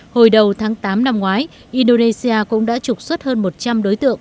hồi đầu tháng tám năm ngoái indonesia cũng đã trục xuất hơn một trăm linh đối tượng